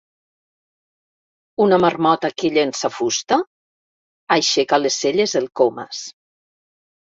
Una marmota que llença fusta? —aixeca les celles el Comas.